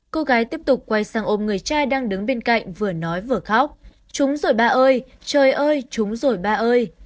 cô gái tiếp tục quay sang ôm người trai đang đứng bên cạnh vừa nói vừa khóc chúng rồi ba ơi trời ơi chúng rồi ba ơi